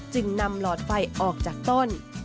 จึงนำหลอดไฟออกจากต้น